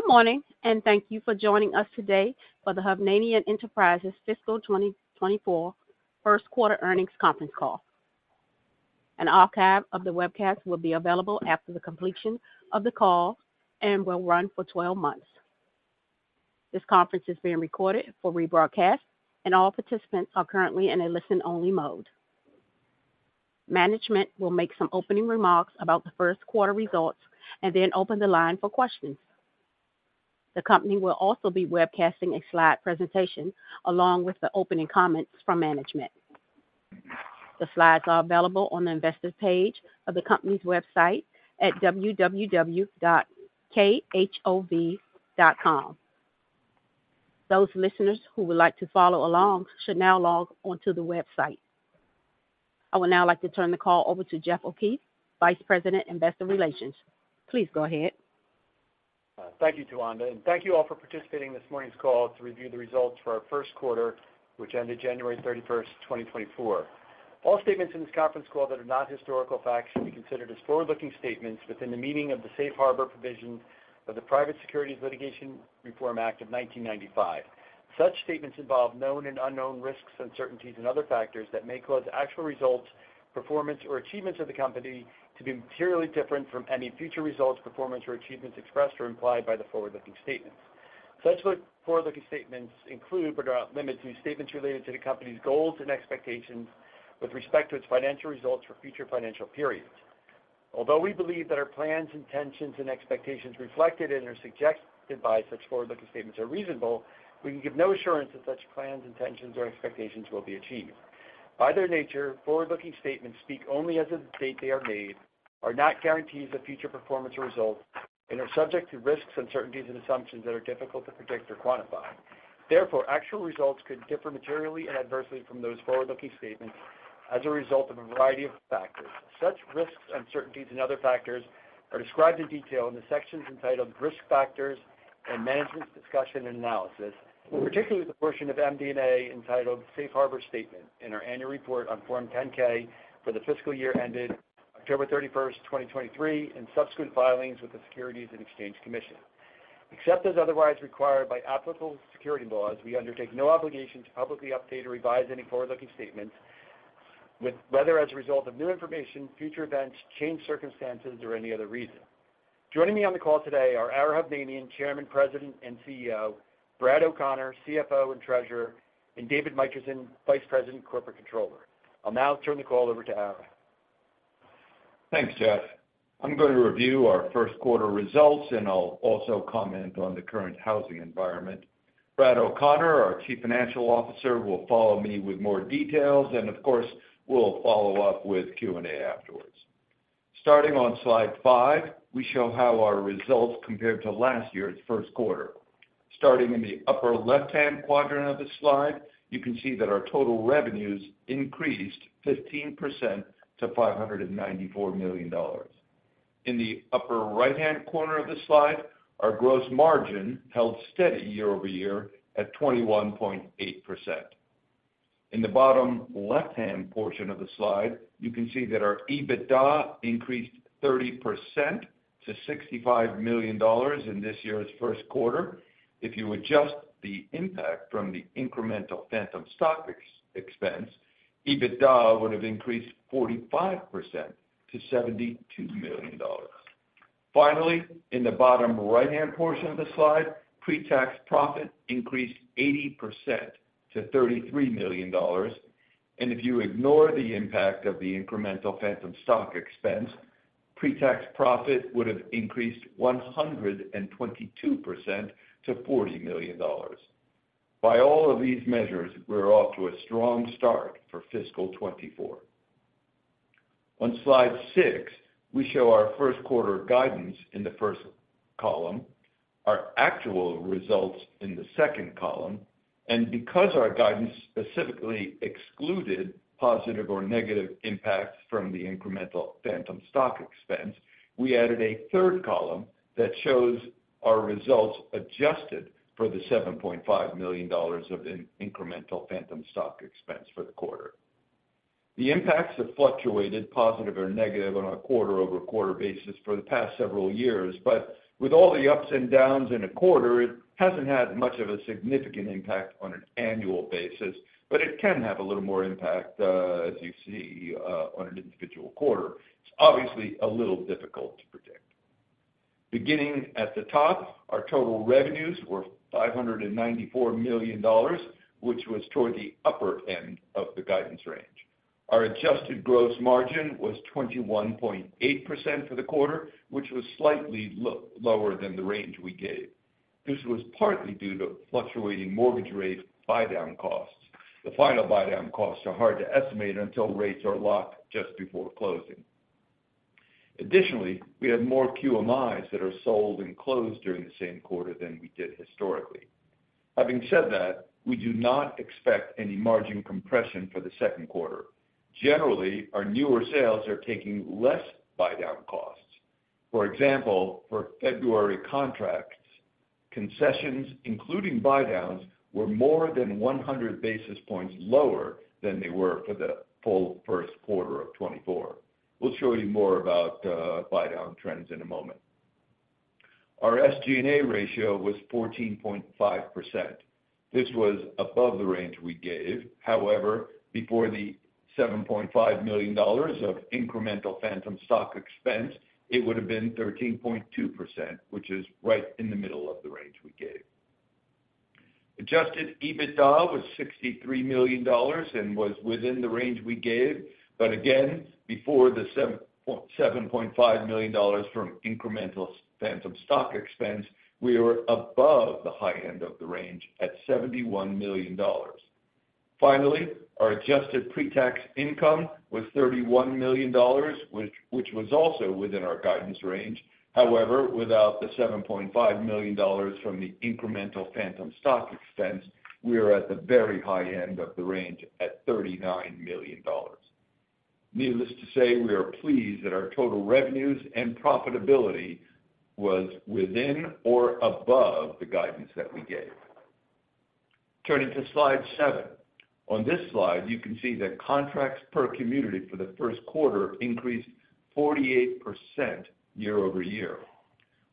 Good morning, and thank you for joining us today for the Hovnanian Enterprises Fiscal 2024 First Quarter Earnings Conference Call. An archive of the webcast will be available after the completion of the call and will run for 12 months. This conference is being recorded for rebroadcast, and all participants are currently in a listen-only mode. Management will make some opening remarks about the first quarter results and then open the line for questions. The company will also be webcasting a slide presentation along with the opening comments from management. The slides are available on the Investors page of the company's website at www.khov.com. Those listeners who would like to follow along should now log on to the website. I would now like to turn the call over to Jeff O'Keefe, Vice President, Investor Relations. Please go ahead. Thank you, Tawanda, and thank you all for participating in this morning's call to review the results for our first quarter, which ended January 31st, 2024. All statements in this conference call that are not historical facts should be considered as forward-looking statements within the meaning of the safe harbor provision of the Private Securities Litigation Reform Act of 1995. Such statements involve known and unknown risks, uncertainties, and other factors that may cause actual results, performance, or achievements of the company to be materially different from any future results, performance, or achievements expressed or implied by the forward-looking statements. Such forward-looking statements include, but are not limited to, statements related to the company's goals and expectations with respect to its financial results for future financial periods. Although we believe that our plans, intentions, and expectations reflected in or suggested by such forward-looking statements are reasonable, we can give no assurance that such plans, intentions, or expectations will be achieved. By their nature, forward-looking statements speak only as of the date they are made, are not guarantees of future performance or results, and are subject to risks, uncertainties, and assumptions that are difficult to predict or quantify. Therefore, actual results could differ materially and adversely from those forward-looking statements as a result of a variety of factors. Such risks, uncertainties, and other factors are described in detail in the sections entitled Risk Factors and Management's Discussion and Analysis, and particularly the portion of MD&A entitled Safe Harbor Statement in our annual report on Form 10-K for the fiscal year ended October 31st, 2023, and subsequent filings with the Securities and Exchange Commission. Except as otherwise required by applicable securities laws, we undertake no obligation to publicly update or revise any forward-looking statements, whether as a result of new information, future events, changed circumstances, or any other reason. Joining me on the call today are Ara Hovnanian, Chairman, President, and CEO, Brad O'Connor, CFO and Treasurer, and David Mitrisin, Vice President, Corporate Controller. I'll now turn the call over to Ara. Thanks, Jeff. I'm going to review our first quarter results, and I'll also comment on the current housing environment. Brad O’Connor, our Chief Financial Officer, will follow me with more details, and of course, we'll follow up with Q&A afterwards. Starting on slide five, we show how our results compared to last year's first quarter. Starting in the upper left-hand quadrant of the slide, you can see that our total revenues increased 15% to $594 million. In the upper right-hand corner of the slide, our gross margin held steady year-over-year at 21.8%. In the bottom left-hand portion of the slide, you can see that our EBITDA increased 30% to $65 million in this year's first quarter. If you adjust the impact from the incremental phantom stock expense, EBITDA would have increased 45% to $72 million. Finally, in the bottom right-hand portion of the slide, pre-tax profit increased 80% to $33 million, and if you ignore the impact of the incremental phantom stock expense, pre-tax profit would have increased 122% to $40 million. By all of these measures, we're off to a strong start for fiscal 2024. On slide six, we show our first quarter guidance in the first column, our actual results in the second column, and because our guidance specifically excluded positive or negative impacts from the incremental phantom stock expense, we added a third column that shows our results adjusted for the $7.5 million of incremental phantom stock expense for the quarter. The impacts have fluctuated, positive or negative, on a quarter-over-quarter basis for the past several years, but with all the ups and downs in a quarter, it hasn't had much of a significant impact on an annual basis, but it can have a little more impact, as you see, on an individual quarter. It's obviously a little difficult to predict. Beginning at the top, our total revenues were $594 million, which was toward the upper end of the guidance range. Our adjusted gross margin was 21.8% for the quarter, which was slightly lower than the range we gave. This was partly due to fluctuating mortgage rate buydown costs. The final buydown costs are hard to estimate until rates are locked just before closing. Additionally, we have more QMIs that are sold and closed during the same quarter than we did historically. Having said that, we do not expect any margin compression for the second quarter. Generally, our newer sales are taking less buydown costs. For example, for February contracts, concessions, including buydowns, were more than 100 basis points lower than they were for the full first quarter of 2024. We'll show you more about buydown trends in a moment. Our SG&A ratio was 14.5%. This was above the range we gave. However, before the $7.5 million of incremental phantom stock expense, it would have been 13.2%, which is right in the middle of the range we gave. Adjusted EBITDA was $63 million and was within the range we gave. But again, before the $7.5 million from incremental phantom stock expense, we were above the high end of the range at $71 million. Finally, our adjusted pre-tax income was $31 million, which was also within our guidance range. However, without the $7.5 million from the incremental phantom stock expense, we are at the very high end of the range at $39 million. Needless to say, we are pleased that our total revenues and profitability was within or above the guidance that we gave. Turning to slide seven. On this slide, you can see that contracts per community for the first quarter increased 48% year over year.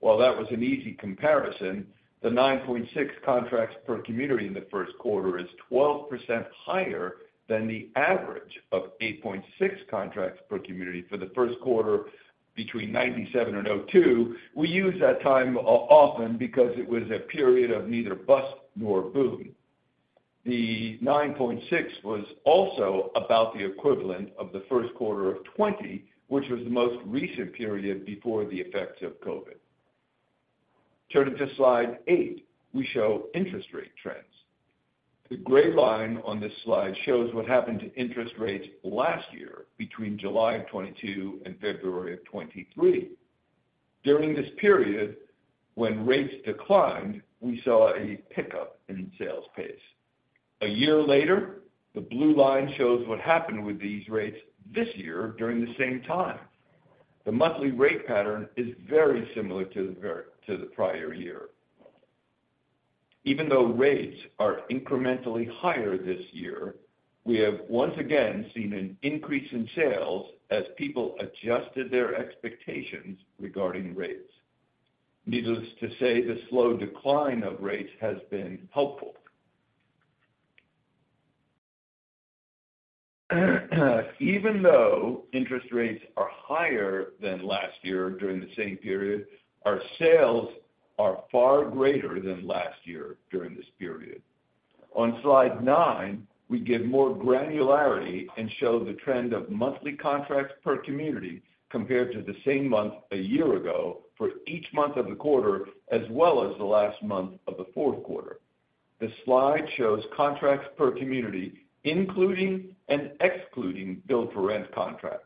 While that was an easy comparison, the 9.6 contracts per community in the first quarter is 12% higher than the average of 8.6 contracts per community for the first quarter between 1997 and 2002. We use that time often because it was a period of neither bust nor boom. The 9.6 was also about the equivalent of the first quarter of 2020, which was the most recent period before the effects of COVID. Turning to slide eight, we show interest rate trends. The gray line on this slide shows what happened to interest rates last year between July of 2022 and February of 2023. During this period, when rates declined, we saw a pickup in sales pace. A year later, the blue line shows what happened with these rates this year during the same time. The monthly rate pattern is very similar to the prior year. Even though rates are incrementally higher this year, we have once again seen an increase in sales as people adjusted their expectations regarding rates. Needless to say, the slow decline of rates has been helpful. Even though interest rates are higher than last year during the same period, our sales are far greater than last year during this period. On slide nine, we give more granularity and show the trend of monthly contracts per community compared to the same month a year ago for each month of the quarter, as well as the last month of the fourth quarter. The slide shows contracts per community, including and excluding Build-for-Rent contracts.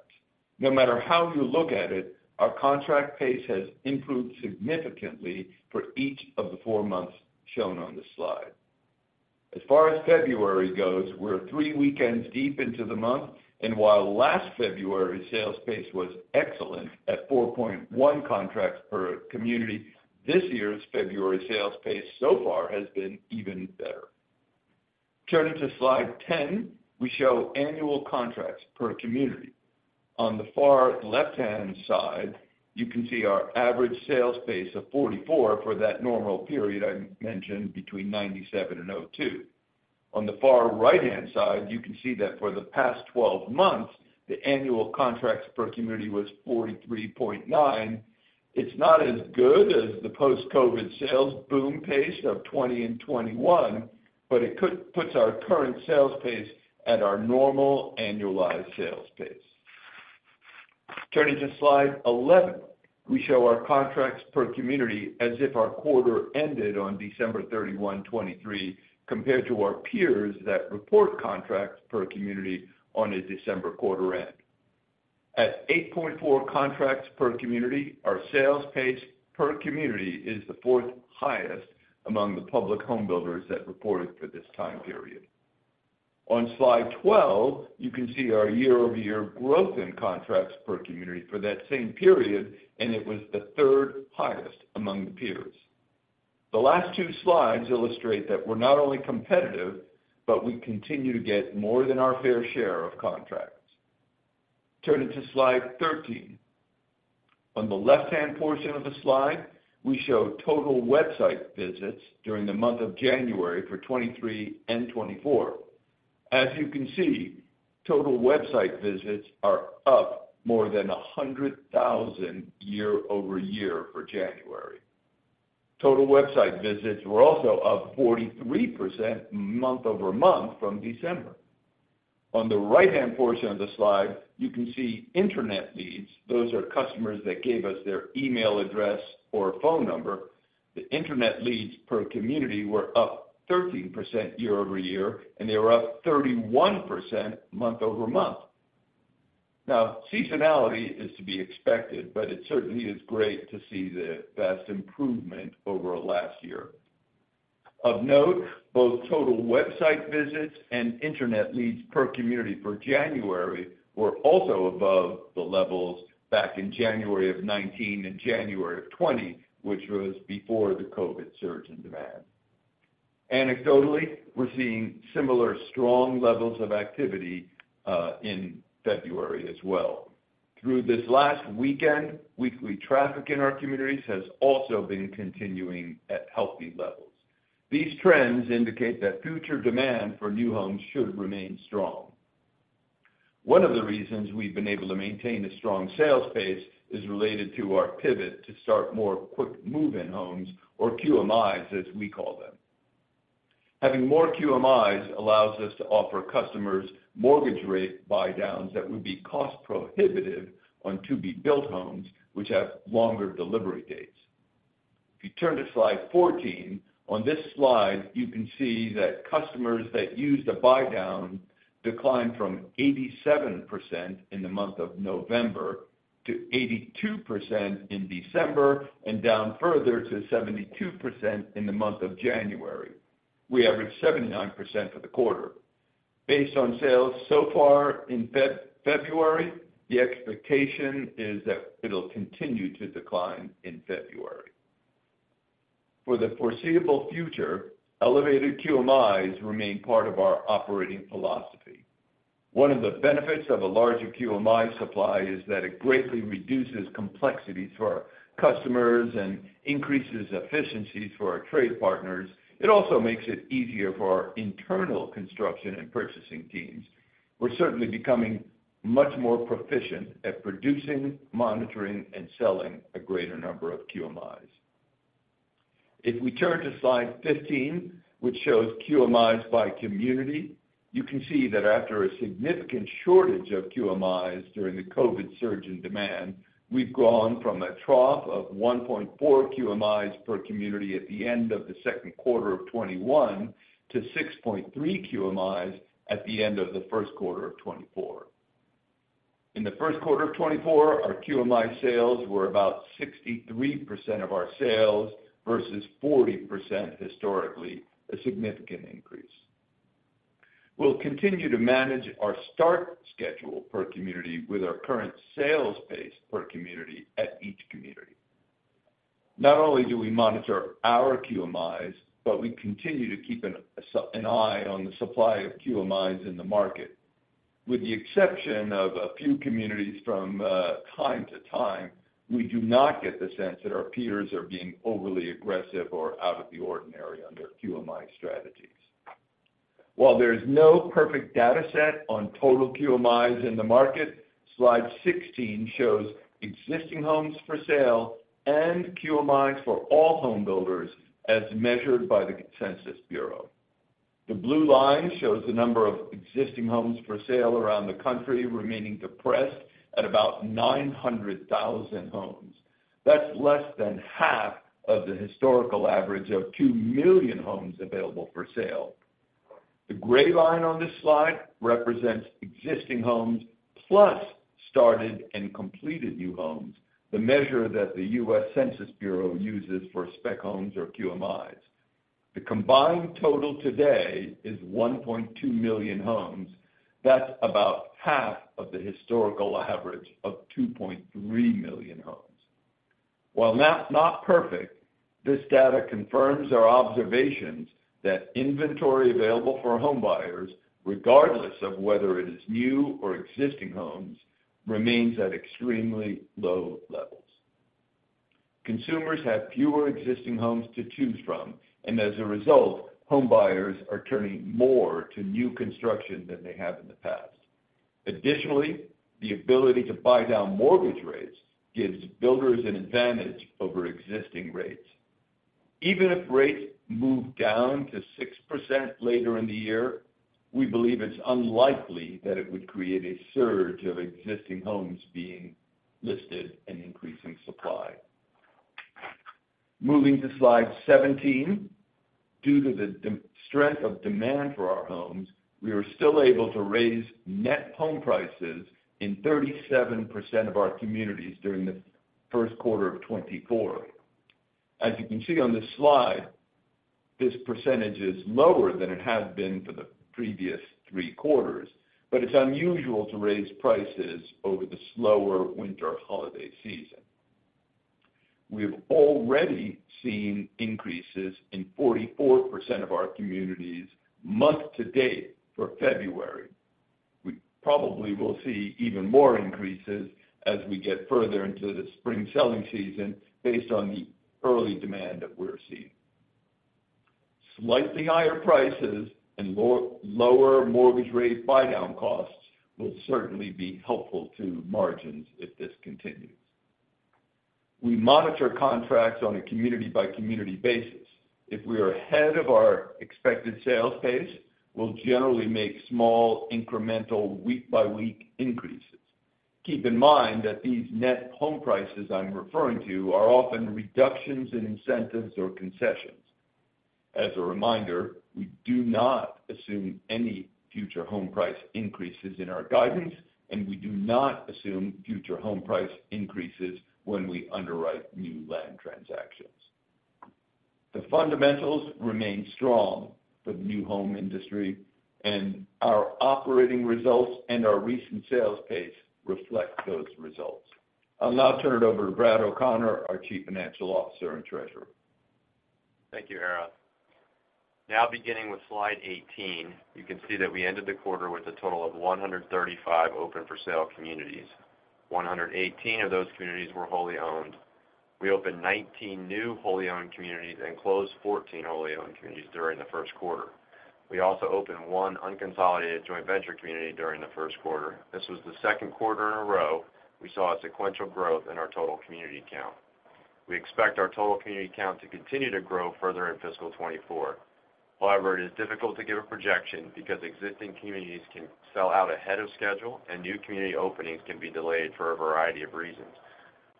No matter how you look at it, our contract pace has improved significantly for each of the four months shown on this slide. As far as February goes, we're three weekends deep into the month, and while last February's sales pace was excellent at 4.1 contracts per community, this year's February sales pace so far has been even better. Turning to slide 10, we show annual contracts per community. On the far left-hand side, you can see our average sales pace of 44 for that normal period I mentioned between 1997 and 2002. On the far right-hand side, you can see that for the past 12 months, the annual contracts per community was 43.9. It's not as good as the post-COVID sales boom pace of 2020 and 2021, but it puts our current sales pace at our normal annualized sales pace. Turning to slide 11, we show our contracts per community as if our quarter ended on December 31, 2023, compared to our peers that report contracts per community on a December quarter end. At 8.4 contracts per community, our sales pace per community is the fourth highest among the public home builders that reported for this time period. On slide 12, you can see our year-over-year growth in contracts per community for that same period, and it was the third highest among the peers. The last two slides illustrate that we're not only competitive, but we continue to get more than our fair share of contracts. Turning to slide 13. On the left-hand portion of the slide, we show total website visits during the month of January for 2023 and 2024. As you can see, total website visits are up more than 100,000 year over year for January. Total website visits were also up 43% month over month from December. On the right-hand portion of the slide, you can see internet leads. Those are customers that gave us their email address or phone number. The internet leads per community were up 13% year over year, and they were up 31% month over month. Now, seasonality is to be expected, but it certainly is great to see the best improvement over last year. Of note, both total website visits and internet leads per community for January were also above the levels back in January of 2019 and January of 2020, which was before the COVID surge in demand. Anecdotally, we're seeing similar strong levels of activity in February as well. Through this last weekend, weekly traffic in our communities has also been continuing at healthy levels. These trends indicate that future demand for new homes should remain strong. One of the reasons we've been able to maintain a strong sales pace is related to our pivot to start more quick move-in homes, or QMIs, as we call them. Having more QMIs allows us to offer customers mortgage rate buydowns that would be cost-prohibited on to-be-built homes, which have longer delivery dates. If you turn to slide 14, on this slide, you can see that customers that used a buydown declined from 87% in the month of November to 82% in December, and down further to 72% in the month of January. We averaged 79% for the quarter. Based on sales so far in February, the expectation is that it'll continue to decline in February. For the foreseeable future, elevated QMIs remain part of our operating philosophy. One of the benefits of a larger QMI supply is that it greatly reduces complexity to our customers and increases efficiencies for our trade partners. It also makes it easier for our internal construction and purchasing teams. We're certainly becoming much more proficient at producing, monitoring, and selling a greater number of QMIs. If we turn to slide 15, which shows QMIs by community, you can see that after a significant shortage of QMIs during the COVID surge in demand, we've gone from a trough of 1.4 QMIs per community at the end of the second quarter of 2021 to 6.3 QMIs at the end of the first quarter of 2024. In the first quarter of 2024, our QMI sales were about 63% of our sales versus 40% historically, a significant increase. We'll continue to manage our start schedule per community with our current sales pace per community at each community. Not only do we monitor our QMIs, but we continue to keep an eye on the supply of QMIs in the market. With the exception of a few communities from time to time, we do not get the sense that our peers are being overly aggressive or out of the ordinary on their QMI strategies. While there is no perfect data set on total QMIs in the market, slide 16 shows existing homes for sale and QMIs for all homebuilders as measured by the U.S. Census Bureau. The blue line shows the number of existing homes for sale around the country remaining depressed at about 900,000 homes. That's less than half of the historical average of 2 million homes available for sale. The gray line on this slide represents existing homes plus started and completed new homes, the measure that the U.S. Census Bureau uses for spec homes or QMIs. The combined total today is 1.2 million homes. That's about half of the historical average of 2.3 million homes. While not perfect, this data confirms our observations that inventory available for homebuyers, regardless of whether it is new or existing homes, remains at extremely low levels. Consumers have fewer existing homes to choose from, and as a result, homebuyers are turning more to new construction than they have in the past. Additionally, the ability to buy down mortgage rates gives builders an advantage over existing rates. Even if rates move down to 6% later in the year, we believe it's unlikely that it would create a surge of existing homes being listed and increasing supply. Moving to slide 17. Due to the sheer strength of demand for our homes, we are still able to raise net home prices in 37% of our communities during the first quarter of 2024. As you can see on this slide, this percentage is lower than it had been for the previous three quarters, but it's unusual to raise prices over the slower winter holiday season. We've already seen increases in 44% of our communities month to date for February. We probably will see even more increases as we get further into the spring selling season based on the early demand that we're seeing. Slightly higher prices and lower mortgage rate buydown costs will certainly be helpful to margins if this continues. We monitor contracts on a community-by-community basis. If we are ahead of our expected sales pace, we'll generally make small, incremental, week-by-week increases. Keep in mind that these net home prices I'm referring to are often reductions in incentives or concessions. As a reminder, we do not assume any future home price increases in our guidance, and we do not assume future home price increases when we underwrite new land transactions. The fundamentals remain strong for the new home industry, and our operating results and our recent sales pace reflect those results. I'll now turn it over to Brad O'Connor, our Chief Financial Officer and Treasurer. Thank you, Ara. Now beginning with slide 18, you can see that we ended the quarter with a total of 135 open-for-sale communities. 118 of those communities were wholly owned. We opened 19 new wholly owned communities and closed 14 wholly owned communities during the first quarter. We also opened 1 unconsolidated joint venture community during the first quarter. This was the second quarter in a row we saw a sequential growth in our total community count. We expect our total community count to continue to grow further in fiscal 2024. However, it is difficult to give a projection because existing communities can sell out ahead of schedule, and new community openings can be delayed for a variety of reasons.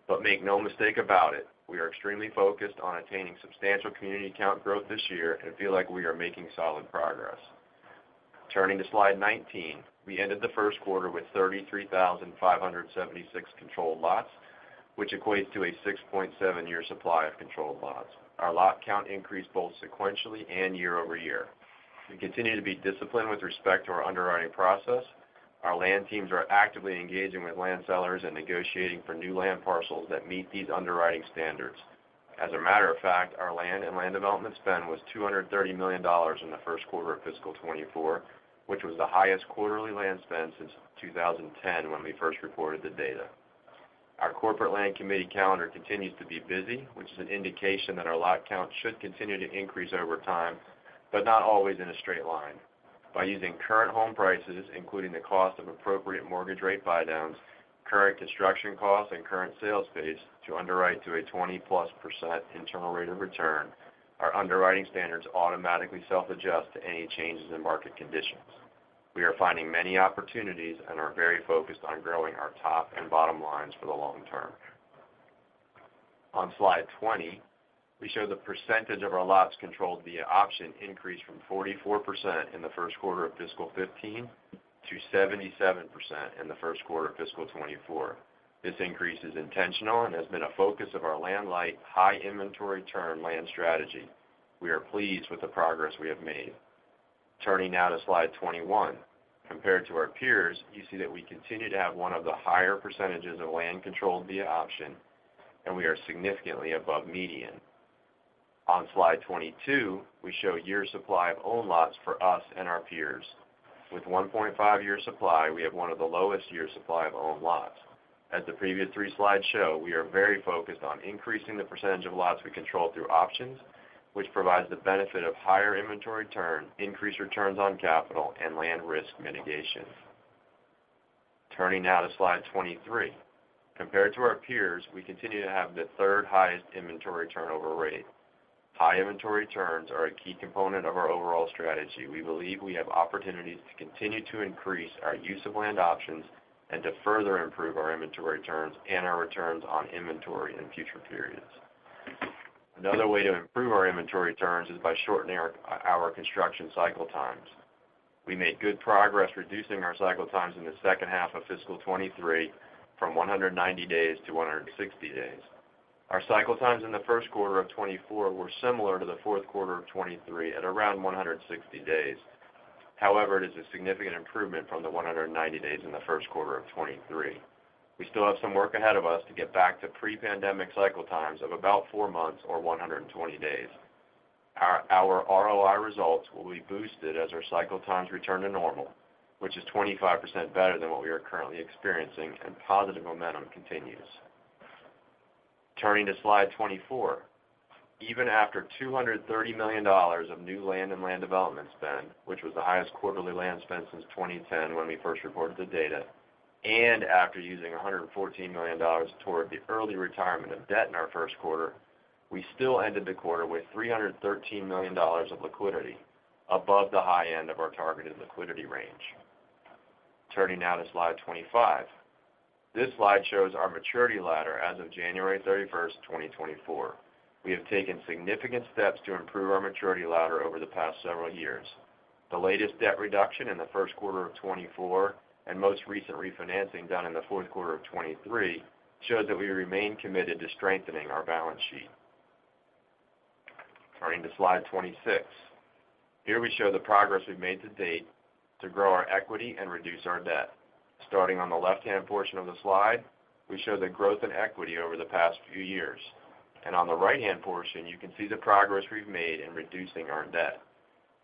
But make no mistake about it, we are extremely focused on attaining substantial community count growth this year and feel like we are making solid progress. Turning to slide 19, we ended the first quarter with 33,576 controlled lots, which equates to a 6.7-year supply of controlled lots. Our lot count increased both sequentially and year-over-year. We continue to be disciplined with respect to our underwriting process. Our land teams are actively engaging with land sellers and negotiating for new land parcels that meet these underwriting standards. As a matter of fact, our land and land development spend was $230 million in the first quarter of fiscal 2024, which was the highest quarterly land spend since 2010, when we first reported the data. Our corporate land committee calendar continues to be busy, which is an indication that our lot count should continue to increase over time, but not always in a straight line. By using current home prices, including the cost of appropriate mortgage rate buydowns, current construction costs, and current sales pace to underwrite to a 20+% internal rate of return, our underwriting standards automatically self-adjust to any changes in market conditions. We are finding many opportunities and are very focused on growing our top and bottom lines for the long term. On slide 20, we show the percentage of our lots controlled via option increased from 44% in the first quarter of fiscal 2015 to 77% in the first quarter of fiscal 2024. This increase is intentional and has been a focus of our land light, high inventory turn land strategy. We are pleased with the progress we have made. Turning now to slide 21. Compared to our peers, you see that we continue to have one of the higher percentages of land controlled via option, and we are significantly above median. On slide 22, we show year supply of owned lots for us and our peers. With 1.5 year supply, we have one of the lowest year supply of owned lots. As the previous three slides show, we are very focused on increasing the percentage of lots we control through options, which provides the benefit of higher inventory turn, increased returns on capital, and land risk mitigation. Turning now to slide 23. Compared to our peers, we continue to have the third highest inventory turnover rate. High inventory turns are a key component of our overall strategy. We believe we have opportunities to continue to increase our use of land options and to further improve our inventory turns and our returns on inventory in future periods. Another way to improve our inventory turns is by shortening our construction cycle times. We made good progress reducing our cycle times in the second half of fiscal 2023 from 190 days to 160 days. Our cycle times in the first quarter of 2024 were similar to the fourth quarter of 2023 at around 160 days. However, it is a significant improvement from the 190 days in the first quarter of 2023. We still have some work ahead of us to get back to pre-pandemic cycle times of about four months or 120 days. Our ROI results will be boosted as our cycle times return to normal, which is 25% better than what we are currently experiencing, and positive momentum continues. Turning to slide 24. Even after $230 million of new land and land development spend, which was the highest quarterly land spend since 2010, when we first reported the data, and after using $114 million toward the early retirement of debt in our first quarter, we still ended the quarter with $313 million of liquidity above the high end of our targeted liquidity range. Turning now to slide 25. This slide shows our maturity ladder as of January 31st, 2024. We have taken significant steps to improve our maturity ladder over the past several years. The latest debt reduction in the first quarter of 2024 and most recent refinancing done in the fourth quarter of 2023 shows that we remain committed to strengthening our balance sheet. Turning to slide 26. Here we show the progress we've made to date to grow our equity and reduce our debt. Starting on the left-hand portion of the slide, we show the growth in equity over the past few years, and on the right-hand portion, you can see the progress we've made in reducing our debt.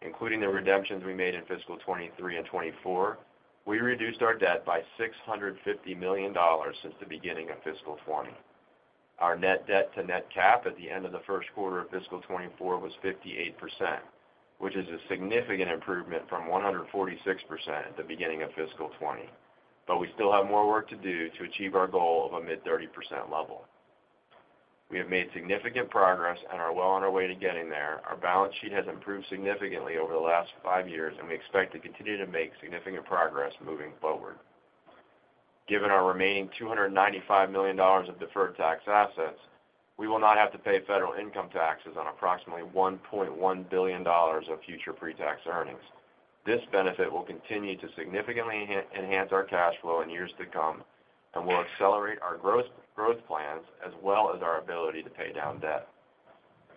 Including the redemptions we made in fiscal 2023 and 2024, we reduced our debt by $650 million since the beginning of fiscal 2020. Our net debt-to-capital at the end of the first quarter of fiscal 2024 was 58%, which is a significant improvement from 146% at the beginning of fiscal 2020. But we still have more work to do to achieve our goal of a mid-30% level. We have made significant progress and are well on our way to getting there. Our balance sheet has improved significantly over the last five years, and we expect to continue to make significant progress moving forward. Given our remaining $295 million of deferred tax assets, we will not have to pay federal income taxes on approximately $1.1 billion of future pre-tax earnings. This benefit will continue to significantly enhance our cash flow in years to come, and will accelerate our gross growth plans, as well as our ability to pay down debt.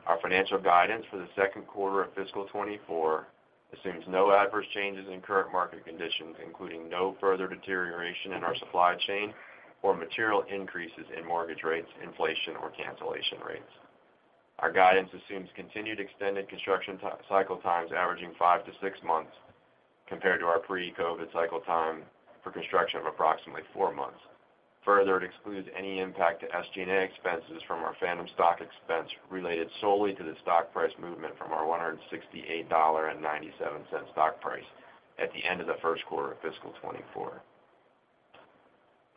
Our financial guidance for the second quarter of fiscal 2024 assumes no adverse changes in current market conditions, including no further deterioration in our supply chain or material increases in mortgage rates, inflation, or cancellation rates. Our guidance assumes continued extended construction cycle times averaging five-six months, compared to our pre-COVID cycle time for construction of approximately four months. Further, it excludes any impact to SG&A expenses from our phantom stock expense related solely to the stock price movement from our $168.97 stock price at the end of the first quarter of fiscal 2024.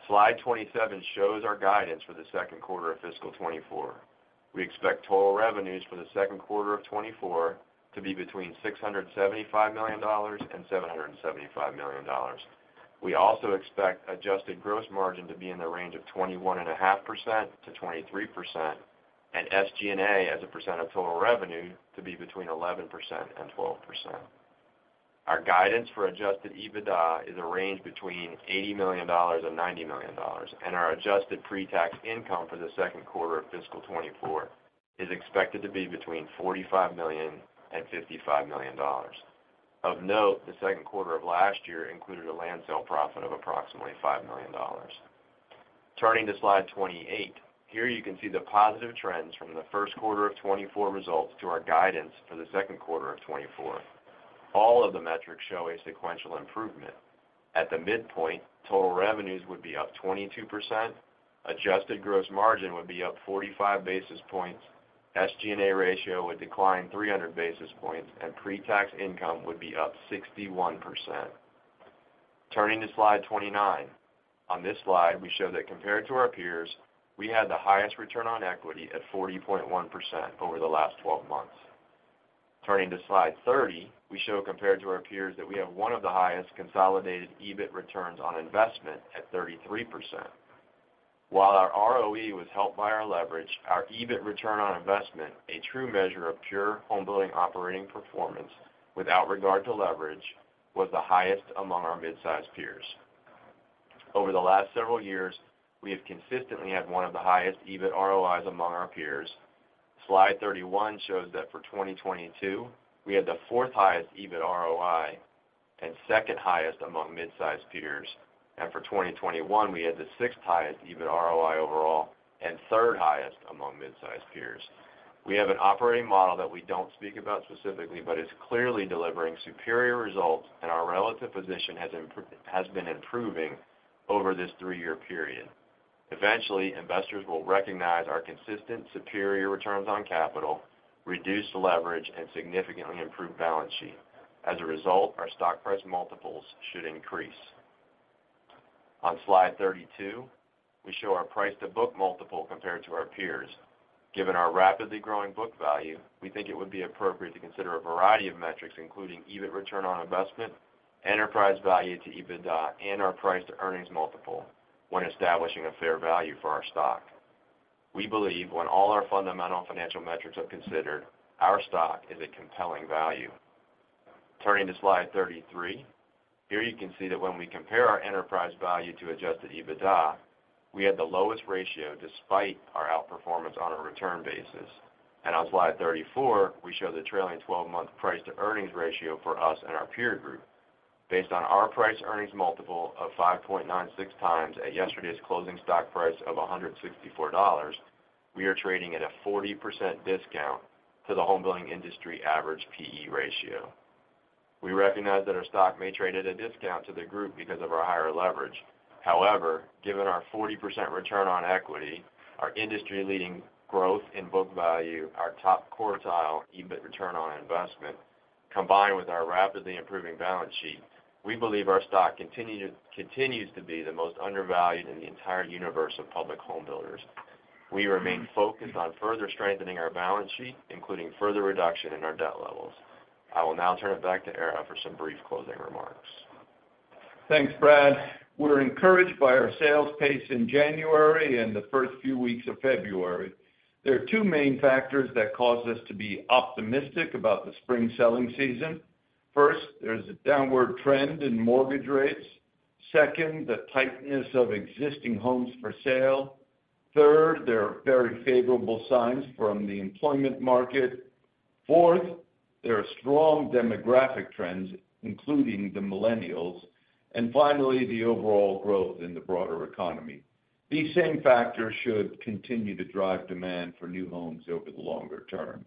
Slide 27 shows our guidance for the second quarter of fiscal 2024. We expect total revenues for the second quarter of 2024 to be between $675 million and $775 million. We also expect adjusted gross margin to be in the range of 21.5%-23%, and SG&A as a percent of total revenue to be between 11%-12%. Our guidance for adjusted EBITDA is a range between $80 million and $90 million, and our adjusted pre-tax income for the second quarter of fiscal 2024 is expected to be between $45 million and $55 million. Of note, the second quarter of last year included a land sale profit of approximately $5 million. Turning to slide 28, here you can see the positive trends from the first quarter of 2024 results to our guidance for the second quarter of 2024. All of the metrics show a sequential improvement. At the midpoint, total revenues would be up 22%, adjusted gross margin would be up 45 basis points, SG&A ratio would decline 300 basis points, and pre-tax income would be up 61%. Turning to slide 29, on this slide, we show that compared to our peers, we had the highest return on equity at 40.1% over the last 12 months. Turning to slide 30, we show, compared to our peers, that we have one of the highest consolidated EBIT returns on investment at 33%. While our ROE was helped by our leverage, our EBIT return on investment, a true measure of pure homebuilding operating performance without regard to leverage, was the highest among our mid-sized peers. Over the last several years, we have consistently had one of the highest EBIT ROIs among our peers. Slide 31 shows that for 2022, we had the fourth highest EBIT ROI and second highest among mid-sized peers, and for 2021, we had the sixth highest EBIT ROI overall and third highest among mid-sized peers. We have an operating model that we don't speak about specifically, but it's clearly delivering superior results, and our relative position has been improving over this three-year period. Eventually, investors will recognize our consistent superior returns on capital, reduced leverage, and significantly improved balance sheet. As a result, our stock price multiples should increase. On slide 32, we show our price-to-book multiple compared to our peers. Given our rapidly growing book value, we think it would be appropriate to consider a variety of metrics, including EBIT return on investment, enterprise value to EBITDA, and our price-to-earnings multiple when establishing a fair value for our stock. We believe when all our fundamental financial metrics are considered, our stock is a compelling value. Turning to slide 33, here you can see that when we compare our enterprise value to Adjusted EBITDA, we have the lowest ratio despite our outperformance on a return basis. On slide 34, we show the trailing twelve-month price-to-earnings ratio for us and our peer group. Based on our price-earnings multiple of 5.96x at yesterday's closing stock price of $164, we are trading at a 40% discount to the homebuilding industry average P/E ratio. We recognize that our stock may trade at a discount to the group because of our higher leverage. However, given our 40% return on equity, our industry-leading growth in book value, our top-quartile EBIT return on investment, combined with our rapidly improving balance sheet, we believe our stock continues to be the most undervalued in the entire universe of public home builders. We remain focused on further strengthening our balance sheet, including further reduction in our debt levels. I will now turn it back to Ara for some brief closing remarks. Thanks, Brad. We're encouraged by our sales pace in January and the first few weeks of February. There are two main factors that cause us to be optimistic about the spring selling season. First, there's a downward trend in mortgage rates. Second, the tightness of existing homes for sale. Third, there are very favorable signs from the employment market. Fourth, there are strong demographic trends, including the millennials, and finally, the overall growth in the broader economy. These same factors should continue to drive demand for new homes over the longer term.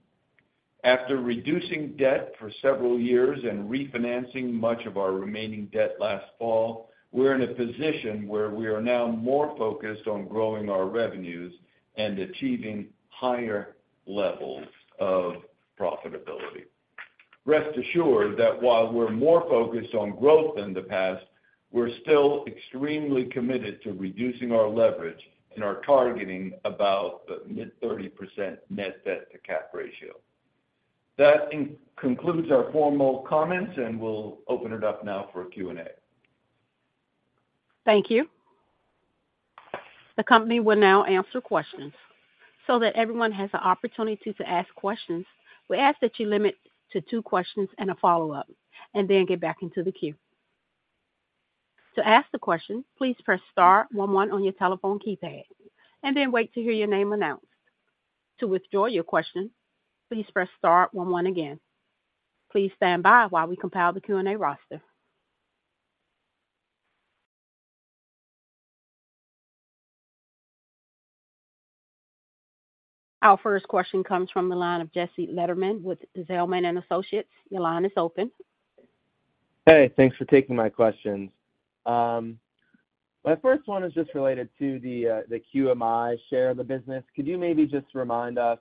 After reducing debt for several years and refinancing much of our remaining debt last fall, we're in a position where we are now more focused on growing our revenues and achieving higher levels of profitability. Rest assured that while we're more focused on growth than the past, we're still extremely committed to reducing our leverage and are targeting about the mid-30% net debt-to-cap ratio. That concludes our formal comments, and we'll open it up now for Q&A. Thank you. The company will now answer questions. So that everyone has the opportunity to ask questions, we ask that you limit to two questions and a follow-up, and then get back into the queue. To ask the question, please press star one one on your telephone keypad, and then wait to hear your name announced. To withdraw your question, please press star one one again. Please stand by while we compile the Q&A roster. Our first question comes from the line of Jesse Lederman with Zelman & Associates. Your line is open. Hey, thanks for taking my questions. My first one is just related to the QMI share of the business. Could you maybe just remind us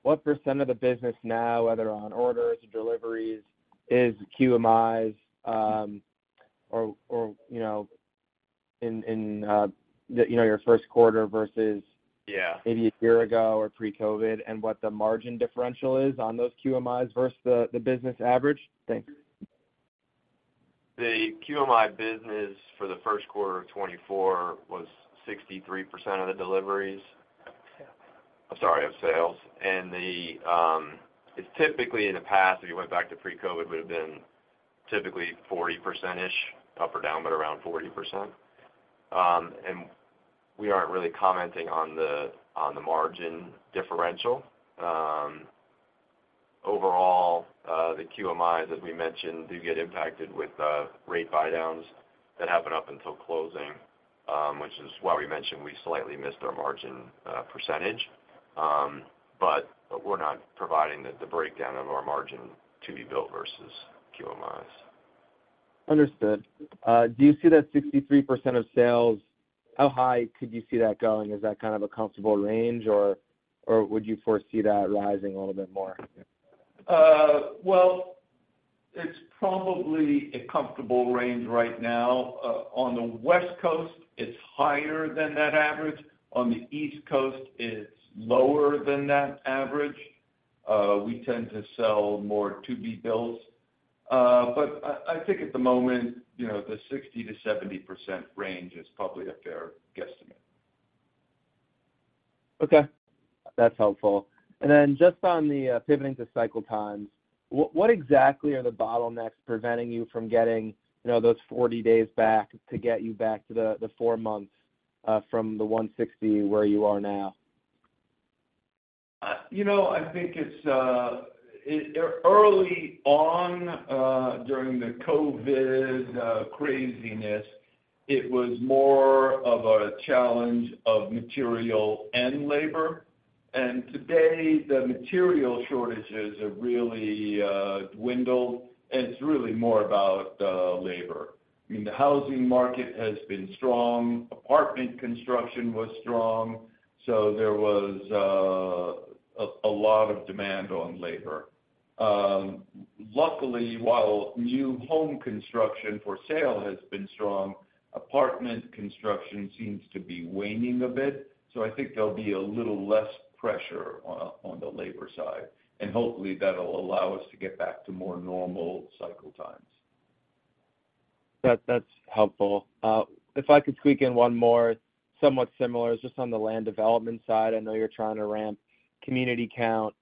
what % of the business now, whether on orders or deliveries, is QMIs, or you know, in your first quarter versus- Yeah. maybe a year ago or pre-COVID, and what the margin differential is on those QMIs versus the business average? Thanks. The QMI business for the first quarter of 2024 was 63% of the deliveries... I'm sorry, of sales. And it's typically in the past, if you went back to pre-COVID, would have been typically 40%-ish, up or down, but around 40%. And we aren't really commenting on the, on the margin differential. Overall, the QMIs, as we mentioned, do get impacted with, rate buydowns that happen up until closing, which is why we mentioned we slightly missed our margin, percentage. But we're not providing the, the breakdown of our margin to be built versus QMIs. Understood. Do you see that 63% of sales, how high could you see that going? Is that kind of a comfortable range, or, or would you foresee that rising a little bit more? Well, it's probably a comfortable range right now. On the West Coast, it's higher than that average. On the East Coast, it's lower than that average. We tend to sell more to-be-built. But I think at the moment, you know, the 60%-70% range is probably a fair guesstimate. Okay. That's helpful. And then just on the pivoting to cycle times, what exactly are the bottlenecks preventing you from getting, you know, those 40 days back to get you back to the four months from the 160 where you are now? You know, I think it's early on during the COVID craziness, it was more of a challenge of material and labor. Today, the material shortages have really dwindled, and it's really more about labor. I mean, the housing market has been strong, apartment construction was strong, so there was a lot of demand on labor. Luckily, while new home construction for sale has been strong, apartment construction seems to be waning a bit, so I think there'll be a little less pressure on the labor side, and hopefully that'll allow us to get back to more normal cycle times. That, that's helpful. If I could squeak in one more, somewhat similar, just on the land development side. I know you're trying to ramp community count.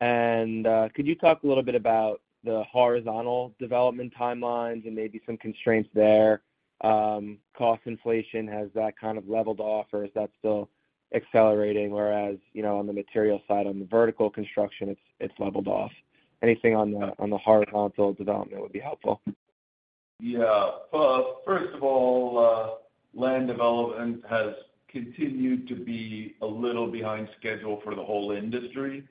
And could you talk a little bit about the horizontal development timelines and maybe some constraints there? Cost inflation, has that kind of leveled off, or is that still accelerating, whereas, you know, on the material side, on the vertical construction, it's, it's leveled off? Anything on the horizontal development would be helpful. Yeah. First of all, land development has continued to be a little behind schedule for the whole industry.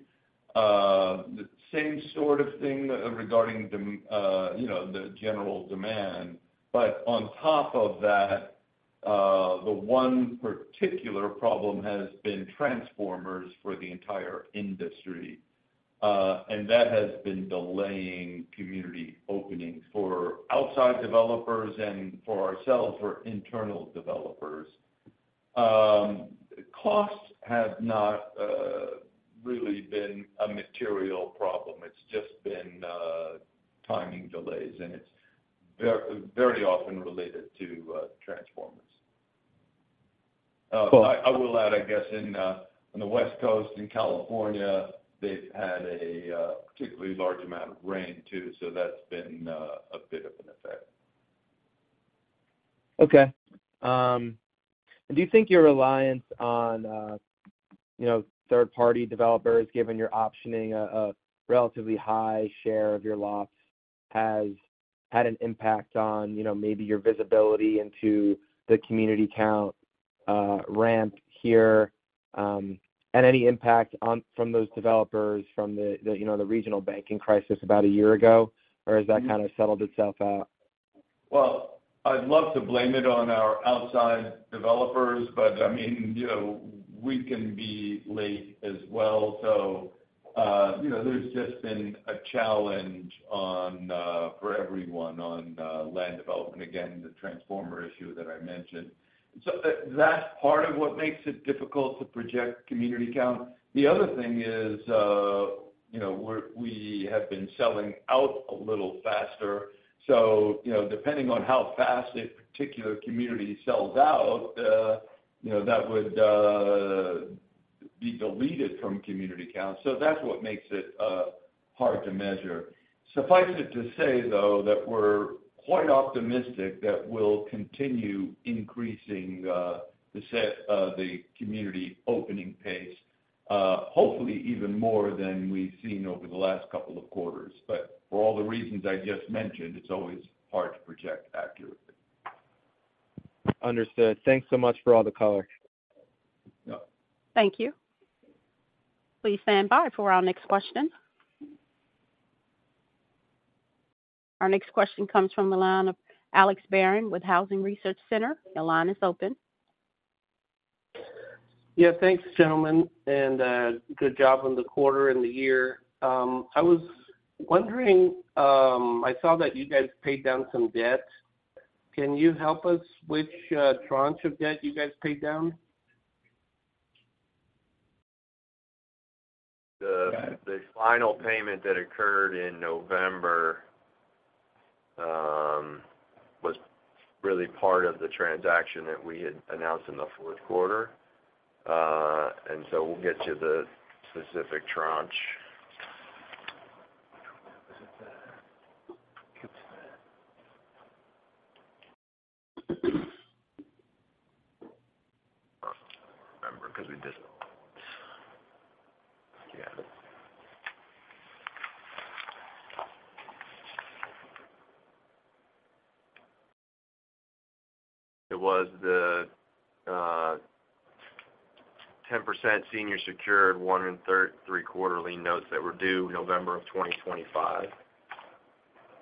The same sort of thing regarding, you know, the general demand. But on top of that, the one particular problem has been transformers for the entire industry, and that has been delaying community openings for outside developers and for ourselves, for internal developers. Costs have not really been a material problem. It's just been timing delays, and it's very often related to transformers. Well- I will add, I guess in on the West Coast in California, they've had a particularly large amount of rain, too, so that's been a bit of an effect. Okay. Do you think your reliance on, you know, third-party developers, given your optioning a relatively high share of your lots, has had an impact on, you know, maybe your visibility into the community count ramp here, and any impact on from those developers, from the, you know, the regional banking crisis about a year ago? Or has that kind of settled itself out? Well, I'd love to blame it on our outside developers, but I mean, you know, we can be late as well. So, you know, there's just been a challenge on, for everyone on, land development, again, the transformer issue that I mentioned. So that's part of what makes it difficult to project community count. The other thing is, you know, we have been selling out a little faster. So, you know, depending on how fast a particular community sells out, you know, that would be deleted from community count. So that's what makes it hard to measure. Suffice it to say, though, that we're quite optimistic that we'll continue increasing the set of the community opening pace, hopefully even more than we've seen over the last couple of quarters. But for all the reasons I just mentioned, it's always hard to project accurately. Understood. Thanks so much for all the color. Yeah. Thank you. Please stand by for our next question. Our next question comes from the line of Alex Barron with Housing Research Center. Your line is open. Yeah, thanks, gentlemen, and good job on the quarter and the year. I was wondering, I saw that you guys paid down some debt. Can you help us, which tranche of debt you guys paid down? The final payment that occurred in November was really part of the transaction that we had announced in the fourth quarter. And so we'll get you the specific tranche. Remember, because we did... Yeah. It was the 10% senior secured, 1.75 Lien Notes that were due November of 2025.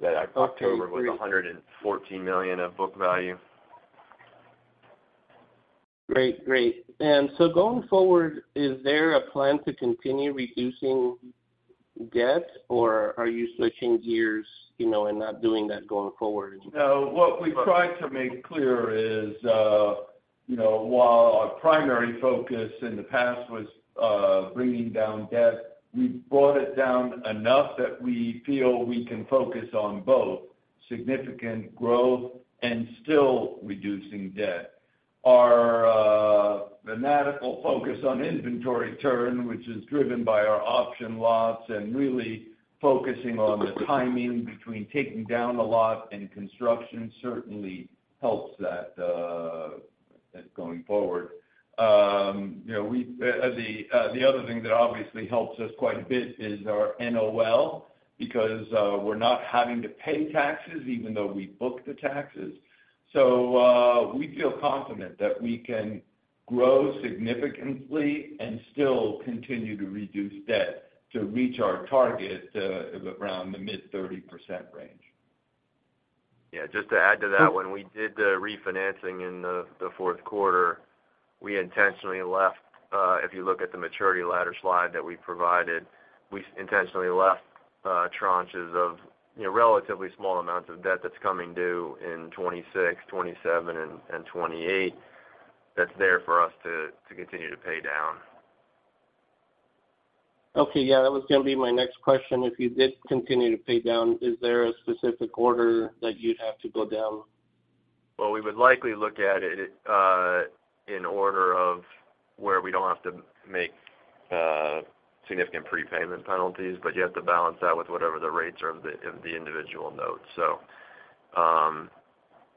Yeah, October was $114 million of book value. Great, great. And so going forward, is there a plan to continue reducing debt, or are you switching gears, you know, and not doing that going forward? No, what we've tried to make clear is, you know, while our primary focus in the past was, bringing down debt, we've brought it down enough that we feel we can focus on both significant growth and still reducing debt. Our fanatical focus on inventory turn, which is driven by our option lots and really focusing on the timing between taking down a lot and construction, certainly helps that, going forward. You know, the other thing that obviously helps us quite a bit is our NOL, because, we're not having to pay taxes even though we book the taxes. So, we feel confident that we can grow significantly and still continue to reduce debt to reach our target, around the mid-30% range. Yeah, just to add to that, when we did the refinancing in the fourth quarter, we intentionally left, if you look at the maturity ladder slide that we provided, we intentionally left tranches of, you know, relatively small amounts of debt that's coming due in 2026, 2027 and 2028. That's there for us to continue to pay down. Okay, yeah, that was gonna be my next question. If you did continue to pay down, is there a specific order that you'd have to go down? Well, we would likely look at it in order of where we don't have to make significant prepayment penalties, but you have to balance that with whatever the rates are of the individual notes. So,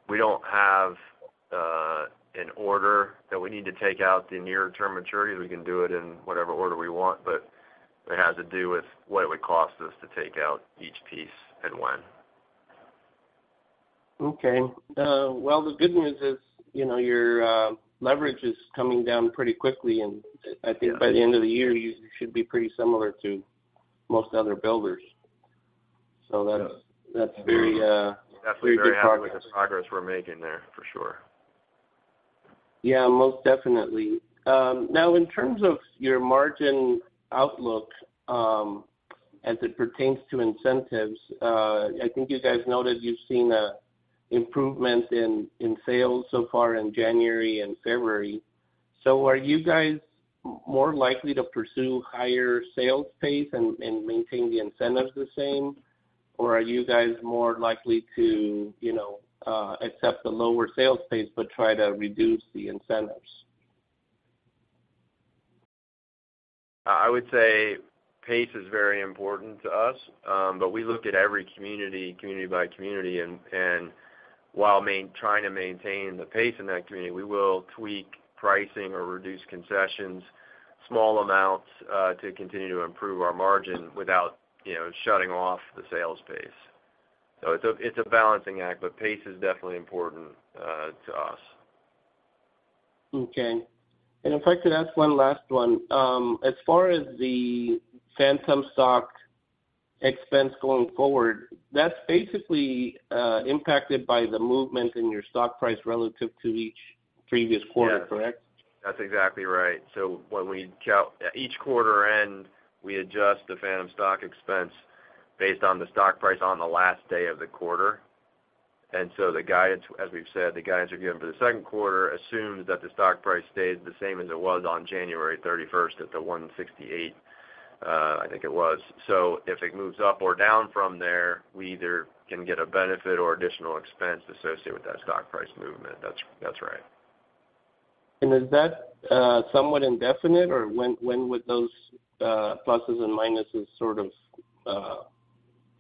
we don't have an order that we need to take out the near-term maturities. We can do it in whatever order we want, but it has to do with what it would cost us to take out each piece and when. Okay. Well, the good news is, you know, your leverage is coming down pretty quickly, and I think by the end of the year, you should be pretty similar to most other builders. So that's- Yeah... that's very, very good progress. Definitely very happy with the progress we're making there, for sure. Yeah, most definitely. Now, in terms of your margin outlook, as it pertains to incentives, I think you guys noted you've seen an improvement in sales so far in January and February. So are you guys more likely to pursue higher sales pace and maintain the incentives the same? Or are you guys more likely to, you know, accept the lower sales pace, but try to reduce the incentives? I would say pace is very important to us, but we look at every community, community by community, and while trying to maintain the pace in that community, we will tweak pricing or reduce concessions, small amounts, to continue to improve our margin without, you know, shutting off the sales pace. So it's a balancing act, but pace is definitely important to us. Okay. And if I could ask one last one. As far as the Phantom Stock Expense going forward, that's basically impacted by the movement in your stock price relative to each previous quarter- Yeah... correct? That's exactly right. So when we count at each quarter end, we adjust the Phantom Stock Expense based on the stock price on the last day of the quarter. And so the guidance, as we've said, the guidance we're giving for the second quarter assumes that the stock price stayed the same as it was on January 31st at the $168. I think it was. So if it moves up or down from there, we either can get a benefit or additional expense associated with that stock price movement. That's, that's right. Is that somewhat indefinite, or when, when would those pluses and minuses sort of,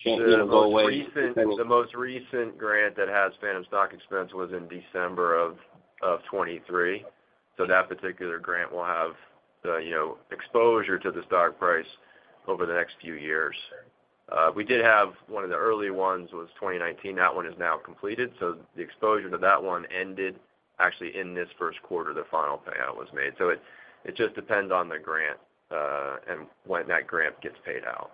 you know, go away? The most recent, the most recent grant that has Phantom Stock Expense was in December of 2023. So that particular grant will have the, you know, exposure to the stock price over the next few years. We did have one of the early ones was 2019. That one is now completed, so the exposure to that one ended actually in this first quarter, the final payout was made. So it just depends on the grant, and when that grant gets paid out.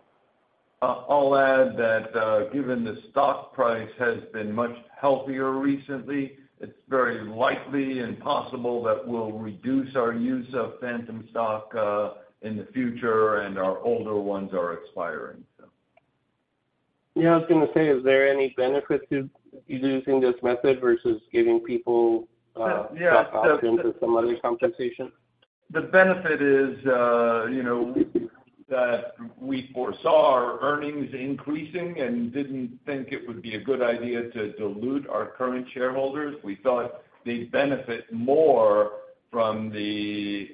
I'll add that, given the stock price has been much healthier recently, it's very likely and possible that we'll reduce our use of phantom stock in the future and our older ones are expiring, so. Yeah, I was gonna say, is there any benefit to using this method versus giving people? Yeah stock options or some other compensation? The benefit is, you know, that we foresaw our earnings increasing and didn't think it would be a good idea to dilute our current shareholders. We thought they'd benefit more from the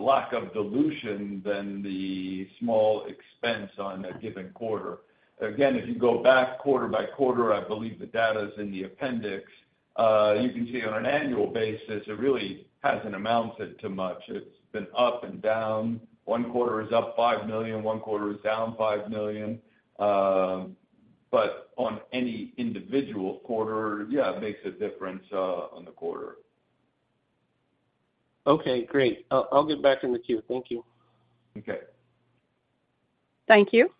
lack of dilution than the small expense on a given quarter. Again, if you go back quarter by quarter, I believe the data is in the appendix, you can see on an annual basis, it really hasn't amounted to much. It's been up and down. One quarter is up $5 million, one quarter is down $5 million. But on any individual quarter, it makes a difference on the quarter. Okay, great. I'll get back in the queue. Thank you. Okay. Thank you.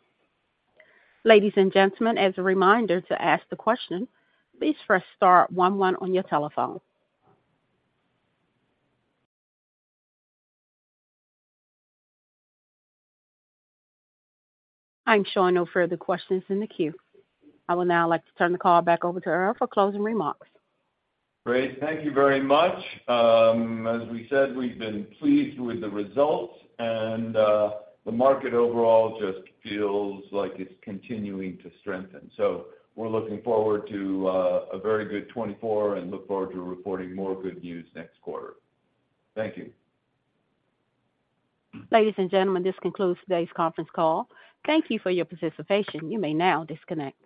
Ladies and gentlemen, as a reminder, to ask the question, please press star one one on your telephone. I'm showing no further questions in the queue. I would now like to turn the call back over to Ara for closing remarks. Great. Thank you very much. As we said, we've been pleased with the results, and the market overall just feels like it's continuing to strengthen. So we're looking forward to a very good 2024 and look forward to reporting more good news next quarter. Thank you. Ladies and gentlemen, this concludes today's conference call. Thank you for your participation. You may now disconnect.